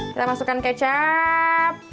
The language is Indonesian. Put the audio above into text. kita masukkan kecap